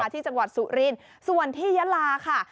ที่จังหวัดสุรินทร์ส่วนที่ยะลาค่ะ